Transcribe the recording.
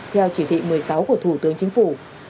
theo chỉ thị một mươi sáu của thủ tướng chính phủ